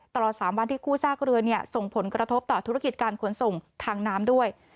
ตลอด๓วันที่คู่ซากเรือส่งผลกระทบต่อธุรกิจการขนส่งทางน้ำด้วย